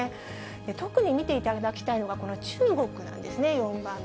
特に見ていただきたいのが、この中国なんですね、４番目。